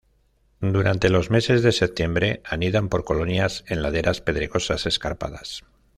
Durante los meses de septiembre anidan por colonias en laderas pedregosas escarpadas.